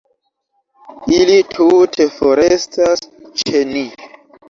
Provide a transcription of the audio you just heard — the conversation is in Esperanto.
Ili tute forestas ĉe ni.